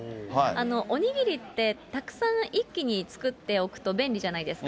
お握りって、たくさん一気に作っておくと便利じゃないですか。